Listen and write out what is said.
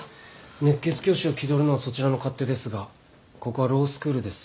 熱血教師を気取るのはそちらの勝手ですがここはロースクールです。